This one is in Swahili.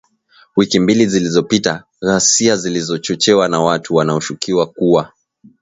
Wiki mbili zilizopita, ghasia zilizochochewa na watu wanaoshukiwa kuwa